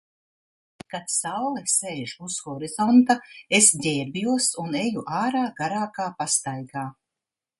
Kad saule sēž uz horizonta, es ģērbjos un eju ārā garākā pastaigā.